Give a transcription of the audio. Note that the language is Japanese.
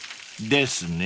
［ですね］